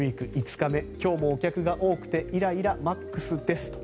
今日もお客が多くてイライラマックスですと。